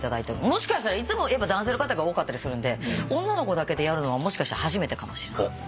もしかしたらいつも男性の方が多かったりするんで女の子だけでやるのはもしかしたら初めてかもしれない。